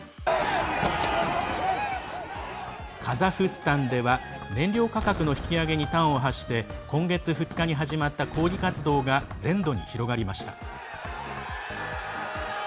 カザフスタンでは燃料価格の引き上げに端を発して今月２日に始まった抗議活動が全土に広がりました。